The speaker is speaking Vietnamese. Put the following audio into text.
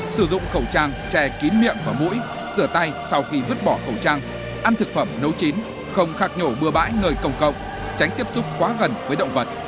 sử dụng khẩu trang che kín miệng và mũi sửa tay sau khi vứt bỏ khẩu trang ăn thực phẩm nấu chín không khạc nhổ bừa bãi người công cộng tránh tiếp xúc quá gần với động vật